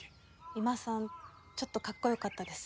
三馬さんちょっとかっこよかったです。